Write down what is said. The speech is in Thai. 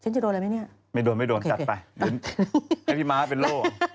ฉันจะโดนอะไรไหมเนี่ยโอเคพี่ม้าเป็นโล่